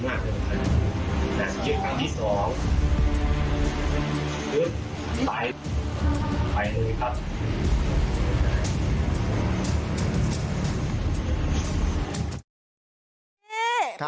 หน้าทางที่สองยึดไปไปหนูครับ